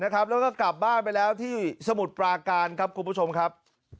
แล้วก็กลับบ้านไปแล้วที่สมุทรปราการครับคุณผู้ชมครับ